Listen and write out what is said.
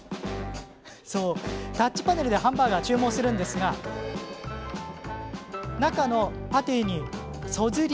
タッチパネルでハンバーガーを注文するんですが中のパティにそずり